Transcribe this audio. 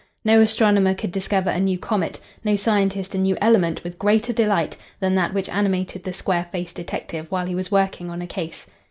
No astronomer could discover a new comet, no scientist a new element with greater delight than that which animated the square faced detective while he was working on a case.